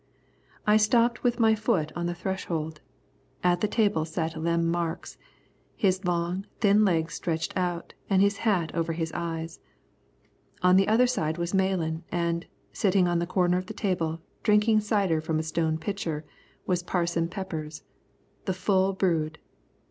I stopped with my foot on the threshold. At the table sat Lem Marks, his long, thin legs stretched out, and his hat over his eyes. On the other side was Malan and, sitting on the corner of the table, drinking cider from a stone pitcher, was Parson Peppers, the full brood.